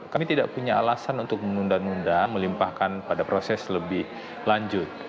kami tidak punya alasan untuk menunda nunda melimpahkan pada proses lebih lanjut